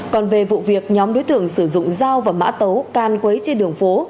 còn về vụ việc nhóm đối tượng sử dụng dao và mã tấu can quấy trên đường phố